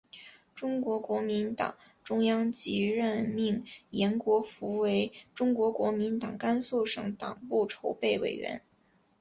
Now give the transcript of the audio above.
中国国民党中央即任命延国符为中国国民党甘肃省党部筹备委员。